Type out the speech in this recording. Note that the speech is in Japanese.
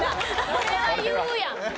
それは言うやん。